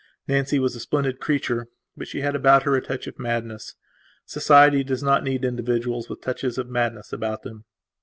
Nancy was a splendid creature, but she had about her a touch of madness. Society does not need individuals with touches of madness about them.